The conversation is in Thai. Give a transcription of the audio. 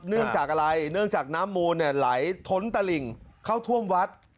เนื่องจากอะไรเนื่องจากน้ำมูลไหลท้นตะหลิ่งเข้าท่วมวัด